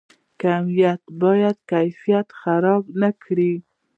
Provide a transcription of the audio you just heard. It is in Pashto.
کمیت باید کیفیت خراب نکړي